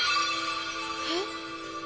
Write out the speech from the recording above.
えっ？